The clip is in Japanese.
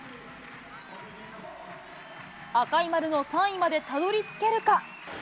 赤い丸の３位までたどりつけるか。